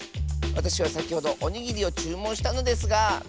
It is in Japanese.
わたしはさきほどおにぎりをちゅうもんしたのですが。